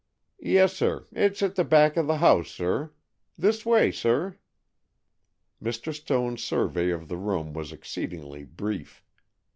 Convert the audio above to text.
"Yessir. It's at the back of the house, sir. This way, sir." Mr. Stone's survey of the room was exceedingly brief.